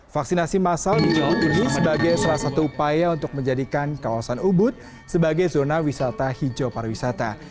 vaksinasi masal di jawa timur ini sebagai salah satu upaya untuk menjadikan kawasan ubud sebagai zona wisata hijau pariwisata